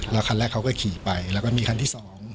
แล้วคันแรกเขาก็ขี่ไปแล้วก็มีคันที่๒